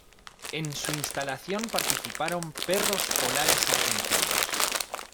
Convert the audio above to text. En su instalación participaron perros polares argentinos.